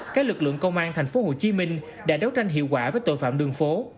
các lực lượng công an tp hcm đã đấu tranh hiệu quả với tội phạm đường phố